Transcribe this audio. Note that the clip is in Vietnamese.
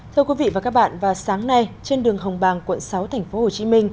thưa quý vị và các bạn vào sáng nay trên đường hồng bàng quận sáu tp hcm